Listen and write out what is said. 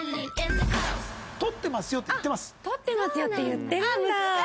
「撮ってますよ」って言ってるんだ！